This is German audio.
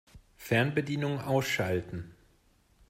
Fernbedienung ausschalten.